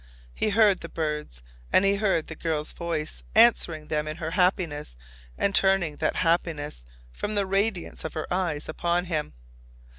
He heard the birds. And he heard the girl's voice, answering them in her happiness and turning that happiness from the radiance of her eyes upon him.